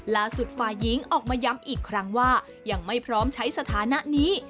ฝ่ายหญิงออกมาย้ำอีกครั้งว่ายังไม่พร้อมใช้สถานะนี้